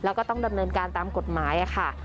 แล้วก็ต้องดำเนินการตามกฎหมายค่ะ